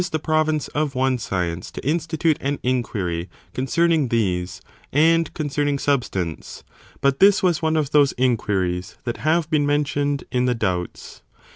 83 the province of one science to institute an inquiry concerning these and concerning substance. But this was one of those inquiries that have been mentioned in the doubts.